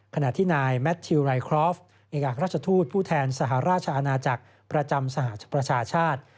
ขณะที่นายแมททิวไรครอฟเอกอักราชทูตผู้แทนสหราชอาณาจักรประจำสหประชาชาติ